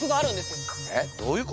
えっどういうこと？